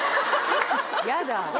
やだ。